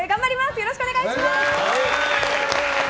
よろしくお願いします。